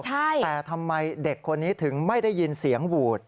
แต่ทำไมเด็กคนนี้ถึงไม่ได้ยินเสียงหวูด